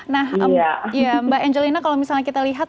nah mbak angelina kalau misalnya kita lihat